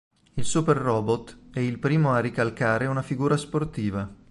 Il Super Robot è il primo a "ricalcare" una figura sportiva.